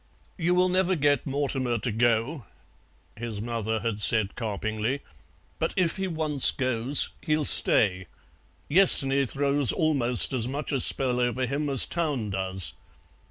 "You will never get Mortimer to go," his mother had said carpingly, "but if he once goes he'll stay; Yessney throws almost as much a spell over him as Town does.